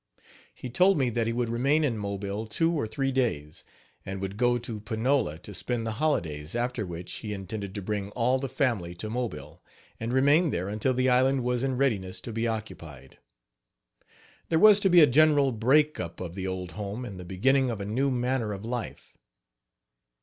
He told me that he would remain in Mobile two or three days and would go to Panola to spend the holidays, after which he intended to bring all the family to Mobile, and remain there until the island was in readiness to be occupied. There was to be a general break up of the old home, and the beginning of a new manner of life.